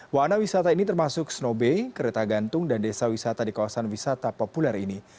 wahana wisata ini termasuk snow bay kereta gantung dan desa wisata di kawasan wisata populer ini